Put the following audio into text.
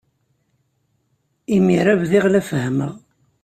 Imir-a bdiɣ la fehhmeɣ.